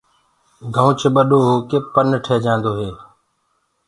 گنوُچ ٻڏو هوندو هي تو پن ٺيندو هي۔